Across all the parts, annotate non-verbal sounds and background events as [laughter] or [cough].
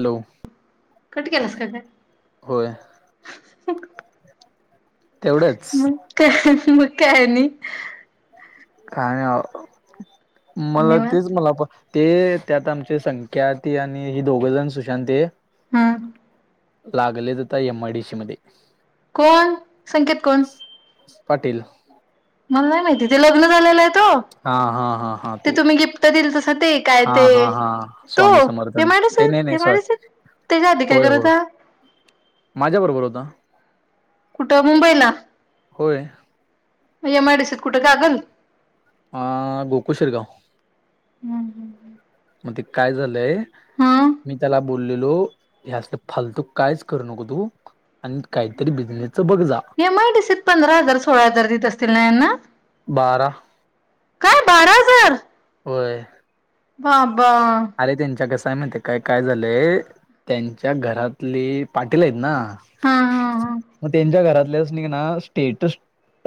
Hello. Cut केलास का काय? होय तेवढच. मग काय मग काय आणि? काही नाही आव मला तेच निवांत. मला पन ते त्यात आमचे संख्याती आणि हे दोघं जण सुशांत आहे. हा. लागले ताई एमआयडी सी मध्ये. कोण संकेत कोण? पाटील. मला नाही माहिती. लग्न झालेलं आहे तो? हा हा हा हा ते तू तुम्ही गिफ्ट दिल तसं ते काय हा ते हा हा तो? स्वामी समर्थांच एमआयडीसी हे नाही त नाही सॉरी एमआयडीसी त्याच्या आधी काय होय करत? होय माझ्या बरोबर होता कुठं मुंबईला? होय. एमआयडीसी कुठ कागल? ह गोकुलशिरगाव. हम्म! मग ते काय झालंय मी त्याला बोललेलो. हे असलं फालतू कायच करू नको तू आणि काहीतरी बिझनेस एम आयडीसीत पंधरा हजार सोळा हजार देत असतील ना यांना? बारा. काय बारा हजार? होय. बाबा! अरे त्यांच्या कसं आहे माती काय काय झालंय त्यांच्या घरातली पाटील आहेत ना. हा हा हा मग त्यांच्या घरातल्याच तेना स्टेटस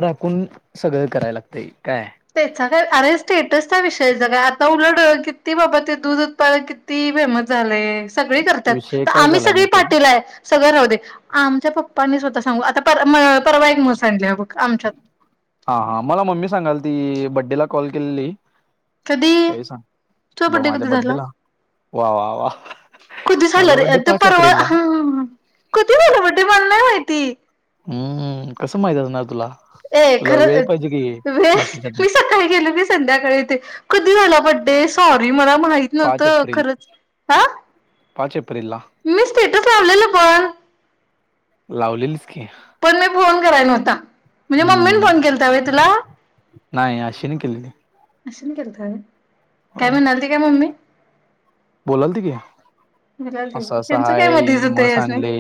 राखून सगळं कराय लागतंय काय. त्याचा काय अरे स्टेटस त्या विषयाच काय आता उलट किती बाबा ते दूध उत्पादन क ती फेमस झालय सगळी करतात विषय तर काय आम्ही झालाय सगळी माहिती आहे का पाटील आहय सगळं राहू दे! आमच्या पप्पानी स्वतः सांगू आता पर- परवा एक म्हैस आणली बघ आमच्यात. हा हां मला मम्मी सांगाल ती बड्डेला कॉल केलेली. कधी तेही सांग तुझा ब बड्डे माझ्या कधी झाला बड्डेला वा वा वा! कधी झालं माझा रे बड्डे ते पाच परवा एप्रिलला हा हा कधी झालं बडे ते मला नाही माहिती? हम्म! कसं माहित असणार तुला. ए तुला वेळ खरं पाहिजे की वे बाकीच्यातन मी सकाळी गेलो मी संध्याकाळी. कधी झाला बडे सॉरी मला माहि पाच एप्रिल, पाच एप्रिलला. मी स्टेटस लावलेल पण. लावलेलीच की. पण मी फोन करायलाव्हता, म्हणजे मम्मीने हम्म फोन केलाता होय तुला? नाही अशीन केलती. अशी न केलता होय. काय म्हणालती का मम्मी ‌? बोलाल ती की. [unintelligible] असं असं त्यांचं काय हाय मध्ये होतंय म्हस अस नाही आणले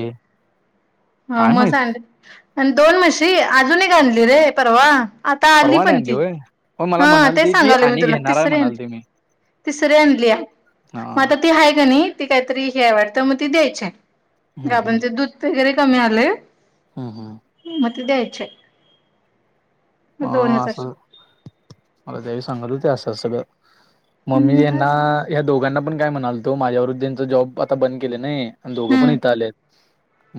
काय म माहित सां आणि दोन म्हशी अजूनही आणली रे परवा आता आली परवा नाही पण आणली ती. होय पण मला हा म्हणाल ते की सांगाल मी आणि तुला घेणार आहे म्हणाल तिसरेते. ते मी तिसरी आणलीया. हा म आता ती हाय का नाही काहीतरी हे वाटतं. मग ती द्यायचेय. हम्म हम्म गाभंचं दूध वगैरे कमी आलंय. हम्म हम्म म ती द्यायचेय. म असं म. ला त्यावी सांगत होते असं सगळं. म मी हम्म यांना. या दोघांना पण काय म्हणालतो. माझ्याबर जांचा जॉब आता बंद केले नाही. आण दोघं पण हम्म इथ आलेत.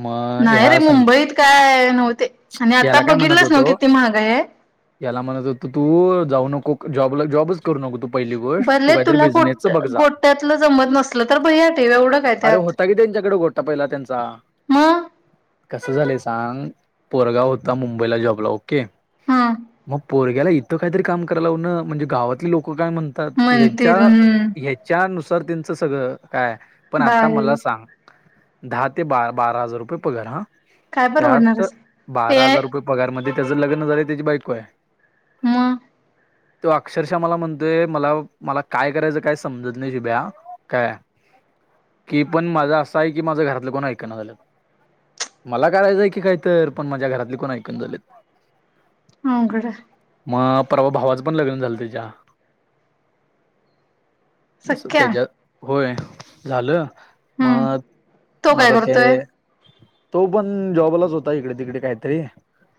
मग नाही रे ह्या सांग मुंबईत काय नव्हते. आणि आता याला बघितलंच नव किती महागाई ते. त्याला म्हणत होत तू जाऊ नको जॉबला. जॉबच करू नको तू. पहिली गोष्ट तू भले काहीतरी तुला गो बिझनेसच बघ जा गोट्यातलं जमत नसल. तर भैया ठेव एवढं काय त्यात. ता की त्यांच्याकडे गोटा पहिला त्यांचा. म. कसं झालंय सांग. पोरगाव होता मुंबईला जॉबला. ओके. ह. मग पोरग्याला इथं काहीतरी काम कराय लावणं. म्हणजे गावातली लोक काय म्हण तात. ह्याच्या म्हणतील हम्म ह्याच्यानुसार त्यांचं सगळं काय. पण आता बाई मला सांग? दहा ते बा बारा हजार रुपये पगार ह. काय त्यात परवडणारच. ते बारा हजार रुपये पगारमध्ये त्याचं लग्न झालं. त्याची बायकोय. म. तो अक्षरशः मला म्हणतोय. मला मला काय करायचं काय समजत नाही शिभ्या. काय कि पण माझं असं आहे कि, माझं घरातलं कोण ऐक ना झालं. मला करायचंय की काय तर. पण माझ्या घरातले कोण ऐकन झालेत. अवघडय. म परवा भावाचं पण लग्न झालं त्याच्या. सख्या त्याच्यात. होय. झालं. म. हम्म तो म काय आता ते करतोय तो पण जॉबलाच होता. इकडे तिकडे काहीतरी.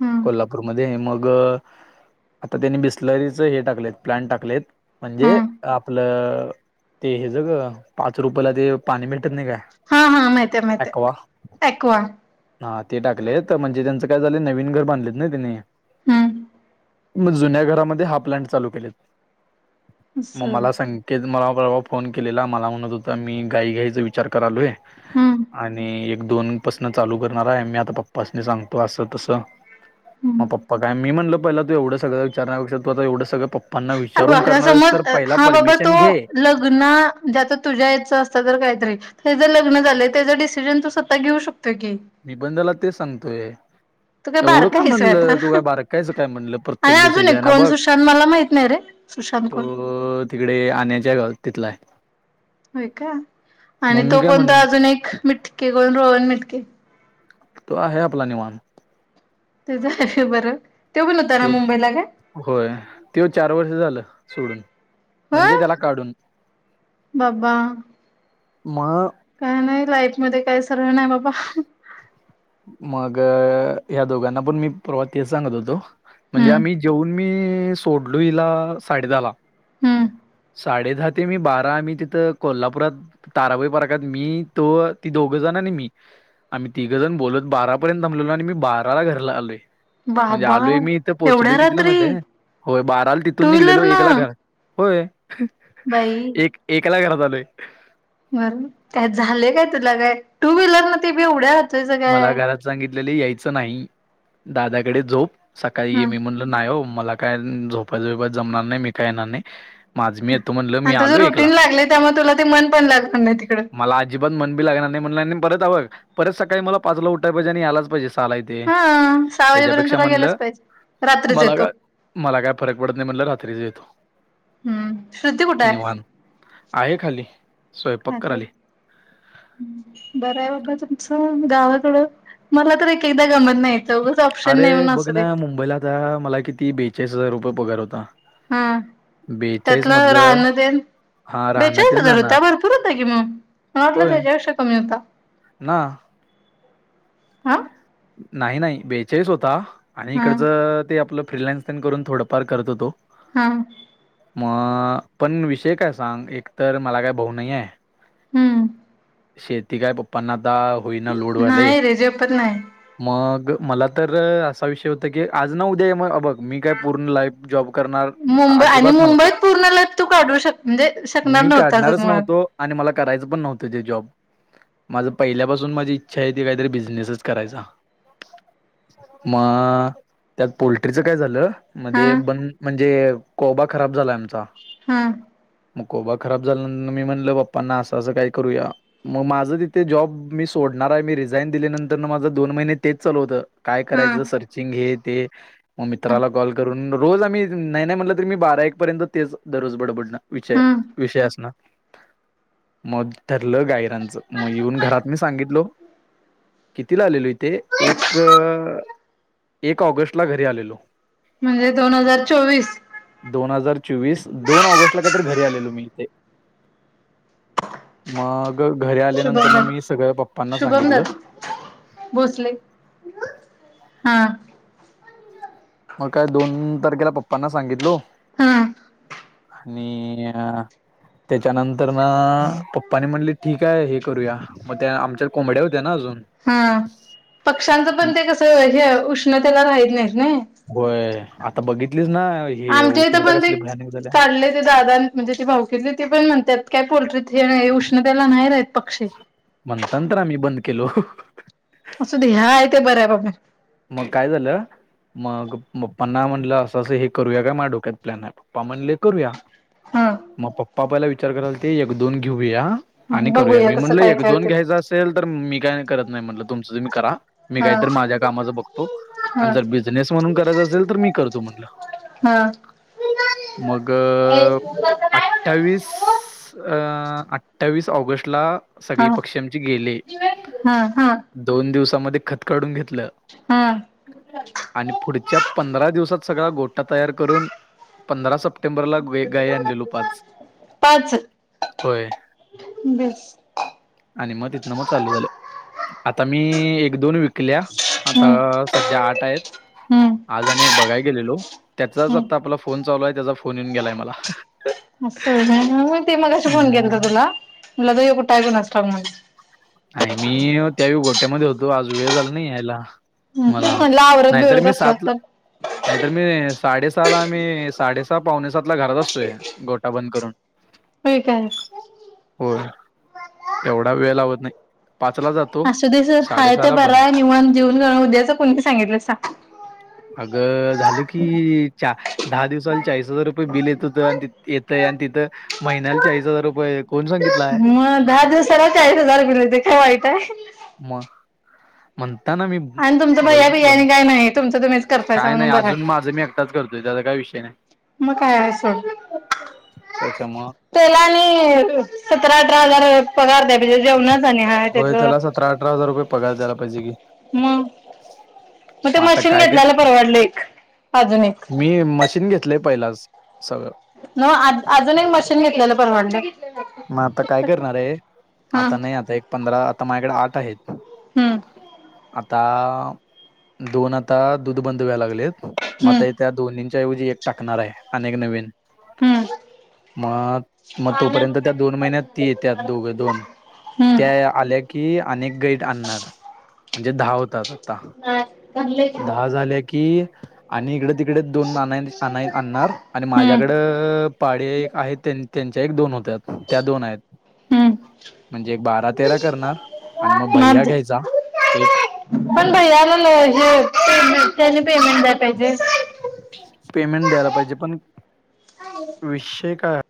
ह. मग आता त्यांनी बिस्लरीच हे टाकलेत. प्लांट टाकलेत. म्हणजे हम्म आपलं ते हे ज ग. पाच रुपयला ते पाणी मिळतात नाही का. हा हा माहितीय माहितीय. अक्वा. ॲक्वा हा ते टाकलेत म्हणजे त्यांचं काय झालं नवीन घर बांधलेत ना त्यांनी. हम्म. मग जुन्या घरामध्ये हा प्लांट चालू केलाय. मग असं मला सांग तेच मला परवा फोन केलेला. मला म्हणत होतां मी गाई घ्याईचा विचार करालोय. हम्म आणि एक दोन पसन चालू करणारे. मी आता पप्पासनी सांगतो असं तस. हम्म. मग पप्पा काय. मी म्हणलं पहिला तू एवढं सगळं इचारण्यापेक्षा तू आता ऐवढं सगंळ पप्पा आता समज हा बाबा तो घे लग्न जे आता तुझ्या याचं असतं तर काहीतरी. त्याज लग्न झालं त्याच डिसिजन तो स्वतः घेऊ शकतोय की. मी पण त्याला तेच सांगतोय. तो काय एवढं बारकायस व्हय म्हणलं तू आता. काय बारकायचं काय म्हणलं प्रत्येक आणि अजून डिसिजन कोण बघ सुशांत मला माहित नाही रे. सुशांत कोण? तिकडे आण्याच्या गव तिथलाय. होय का? मग आणि मी तो काय कोणता म्हण अजून एक मिटके कोण रोहण मिटके? तो आहे आपला निवांत. तेच आहे बर. तो पण होता ना त्यो मुंबईला काय. होय. त्यो चार वर्ष झालं सोडून. म्हणजे होय त्याला काढून. बाबा मग काय नाही लाईफ मध्ये काही सरळ नाही बाबा. मग ह्या दोघांना पण मी परवा तेच सांगत होतो. म्हणजे आम्ही जेऊन मी सोडलो हिला साडे दहा ला. हम्म साडे दहा ते मी बारा आम्ही तिथं कोल्हापुरात ताराबाई पार्कात मी तो ती दोघजण आणि मी आम्ही तिघजण बोलत बारापर्यंत थांबलेलो आणि मी बाराला घरला आलोय. म्हणजे बाबा आलोय मी इथं पोहोचलोय एवढ्या किती ला रात्री माहितीये, होय बाराला तिथून टू व्हीलर निघलेलो एकला न घर होय ह बाई एक एकला घरात आलोय. बर का झालय काय तुला काय टू व्हीलर न ते बी एवढ्यात. मला घरात सांगितलेले यायचं नाही दादाकडे झोप सकाळी ये ह मी म्हण नाही हो मला काय झोपायच बिपायच जमणार नाही. मी काय येणार नाही. माझ मी येतो म्हणल मी आणि तुझं आलो रुटीन एकला. लागले त्यामुळे तुला ते मन पण लागणार नाही तिकड मला अजिबात मन बी लागणार नाही म्हणल. परत ह बग परत सकाळी मला पाचला उठाय पाहिजे. आणि यायलाच पाहिजे. ला इथे हा सहा वाजेपर्यंत त्याच्यापेक्षा तुला म्हणलं गेलंच पाहिजे रात्रीच मला येतो का मला काय फरक पडत नाही म्हटलं रात्रीच येतो. हम्म श्रुती कुठे आहे निवांत आहे खाली. स्वयंपाक करायली आलेत बर आहे बाबा तुमचं गावाकडं मला तर एक एकएकदा गमत नाही इथं उगच ऑप्शन अरे नाही म्हणून बघ असू दे. ना मुंबईला मला किती बेचाळीस हजार रुपये पगार होता. हा बेचाळीस त्यातलं मधलं राहण तेन हा राहणं बेचाळीस तेन हजार जाणार होता. भरपूर होता कि मग. मला वाटलं होय त्याच्यापेक्षा कमी होता. ना हा. नाही नाही बेचाळीस होता. आणि हा इकडच ते आपलं फ्रिलान्स तेन करून थोडं फार करत होतो. हा मग पण विषय काय सांग एक तर मला काय भाऊ नाही हाय हम्म शेती काय पप्पांना आता होईना. लोड व्हायलय. ते झेपत नाही. मग मला तर असा विषय होता की आज न उद्या मग अ बघ मी काय पूर्ण लाईफ जॉब करणार मुंबई आणि अजिबात नव्हतो. मुंबईत पूर्ण लत तू काढू शक म्हणजे शकणार मी नव्हताच काढणारच मुळात. नव्हतो. आणि मला करायचं पण नव्हतं ते जॉब माझ पहिल्यापासून माझी इच्छा आहे. ती काहीतरी बिझनेसच करायचा. मग त्यात पोल्ट्रीचं काय झालं. हा मध्ये बंद म्हणजे कोबा खराब झालाय आमचा. हा म कोबा खराब झाल्यान मी म्हटलं पप्पांना असं असं काय करूया. मग माझं तिथे जॉब मी सोडणार आहे. मी रिझाईन दिल्यानंत तरन माझ दोन महिने तेच चालु होत काय हा करायच सर्चिंग हे ते मग हा मित्राला कॉल करून रोज आम्ही नाही नाही म्हटलं तरी मी बारा एक पर्यंत तेच दररोज बडबडणं विषय हा विषय असनार मग ठरलं गायरांचं मग येऊन घरात मी सांगितलो. कितीला आलेलो इथे एक एक ऑगस्ट ला घरी आलेलो. म्हणजे दोन हजार चोवीस. दोन हजार चोवीस दोन ऑगस्ट ला काहीतरी घरी आलेलो मी इथे. मग घरी शुभम आल्यानंतर न मी दत्त सगळ पप्पांना शुभम सांगितलं. दत्त भोसले. हा. मग काय दोन तारखेला पप्पांना सांगितलो. हा आणि त्याच्यानंतर न पप्पानी म्हणलीत ठीक आहे हे करूया. मग त्या आमच्या कोंबड्या होत्या ना अजून हा पक्ष्यांचं पण ते कस हे उष्णतेला राहीत नाहीत नई होय आता बघितलीच ना? हे आमच्या इथ उष्णता पण ते कसली भयानक झाल्या कारले ते दादानं म्हणजे ते भावकितले ते पण म्हणतात काय पोल्ट्री हे नाही उष्णतेला नाही राहीत पक्षी. म्हणताना तर आम्ही बंद केलो. असुदे ह्या आहे ते बरं आहे बाबा. मग काय झालं? मग पप्पांना म्हटलं असं असं हे करूया काय? माझ्या डोक्यात प्लॅन आहे. पप्पा म्हणले करूया. हा मग पप्पा पहिला विचार करालते - एक दोन घेऊया आणि करूया बघूया मी कसं म्हटलं काय एक काय दोन होते घ्यायचां असं ल तर मी काय नाही करत नाही म्हटलं तुमचं तुम्ही करा. मी हा काहीतर माझ्या कामाच बघतो आणि हा जर बिझनेस म्हणून करायच असेल तर मी करतो म्हटलं. हा मग अठ्ठावीस अ अठ्ठावीस ऑगस्ट ला हा सगळी पक्षी आमचे गेले. हा हा दोन दिवसामध्ये खत काढून घेतलं. हां आणि पुढच्या पंधरा दिवसात सगळा गोटा तयार करून पंधरा सप्टेंबरला गोय गाय आणलेलो पाच. पाच होय बरं आणि मग तिथनं मग चालू झालं. आता मी एक दोन विकल्या. हम्म अ सध्या आठ आहेत. हम्म आज आणि एक बघाय गेलेलो त्याचाच आता हम्म आपला फोन चालू आहे त्याचा फोन येऊन गेलाय मला. अस होय नाही मग ते मगाशी फोन केलता हम्म. तुला म्हणलं ते ह्यो कुठाय कुणास ठाऊक म्हणलं नाही मी त्यावेळी गोट्यामध्ये होतो आज वेळ झाला नाही यायला. तेच मला. म्हणलं आवरत नाहीतर बिवरत मी असलास सात ला तर नाहीतर मी साडेसहा ला मी साडेसहा पावणेसात ला घरात असतोय. गोठा बंद करून. होय काय? होय एवढा वेळ लावत नाही. पाचला जातो असु दे सोर हाय ते साडेसहाला बंद बराय निवांत जीऊन खऊन उद्याच कोण बी सांगितलं सा अग झालं की चा दहा दिवसाला चाळीस हजार रुपये बिल येत होतं आणि येतंय आणि तिथं. महिन्याला चाळीस हजार रुपये कोण सांगि''--'' मग दहा दिवसाला चाळीस हजार मिळवतोय काय वाईट आहे. मग. काय नाही मी आणि तुमचं भैया बसत पण बियाने काय नाही तुमचं तुम्हीच करतायसा काय नाही म्हणून बरं अजून आहे माझ मी एक. टाच करतोय त्याचा काय विषय नाही. मग काय आहे सोड. त्याच्यामुळं त्याला आणी सतरा अठरा हजार अ. पगार द्यायला पाहिजे जेवणाच आणि आहे त्याज. होय त्याला सतरा अठरा हजार रुपये पगार द्यायला पाहिजे की मग ते मग आता मशीन काय काय घेतल्याला परवडलं एक अजून एक. मी मशीन घेतलंय पहिलाच सगळं. नव आज अजून एक मशीन घेतलेलं परवडतंय. मग आता काय करणार आहे हा आता नाही आता एक पंधरा आता माझ्याकडे आठ आहेत. हम्म ता दोन आता दूध बंध व्हायला लागलेत मग हम्म आता. त्या दोनींच्याऐवजी एक टाकणार आहे अनेक नवीन. हम्म मग तोपर्यंत मग त्या दोन महिन्यात येतात दोघं दोन. हम्म त्या आल्या की अनेक गायी आणार म्हणजे दहा होतात आता. नाय. दहा झाल्या की आणि इकडे तिकडे दोन आणा आणाय आणार आणि हम्म माझ्याकडे. त पाड्या एक आहेत त्यांच्या एक दोन होत्या त्या दोन आहेत. हम्म म्हणजे एक बारा तेरा करणार आणि मग भैया माप घ्यायचा एक. पण भैय्या लय हे त्याचं त्याज पेमेंट द्याय पाहिजे. पेमेंट द्यायला पाहिजे पण विषय काय.